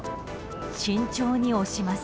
慎重に押します。